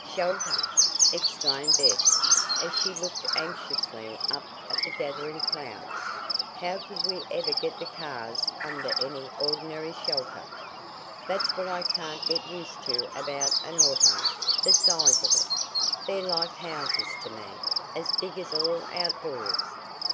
"Shelter!" exclaimed Bess as she looked anxiously up at the gathering clouds. "How could we ever get the cars under any ordinary shelter? "That's what I can't get used to about an auto the size of it. They're like houses to me, as big as all outdoors."